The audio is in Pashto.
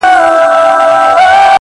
يوې ملالي پسې بله مړه ده! بله مړه ده!